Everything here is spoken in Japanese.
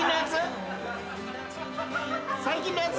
最近のやつ？